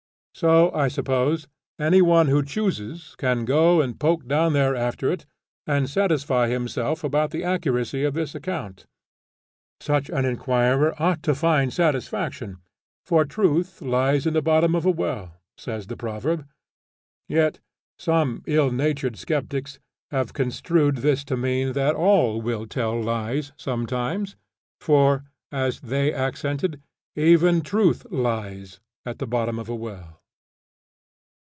So, I suppose, any one who chooses can go and poke down there after it and satisfy himself about the accuracy of this account. Such an inquirer ought to find satisfaction, for "truth lies in the bottom of a well" says the proverb. Yet some ill natured skeptics have construed this to mean that all will tell lies sometimes, for as they accent it, even "Truth lies, at the bottom of a well!"